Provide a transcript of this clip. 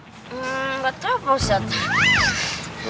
hmm nggak tau pak ustadz